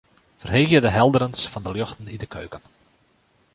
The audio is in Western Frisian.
Ferheegje de helderens fan de ljochten yn de keuken.